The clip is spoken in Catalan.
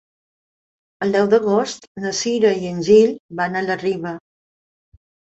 El deu d'agost na Cira i en Gil van a la Riba.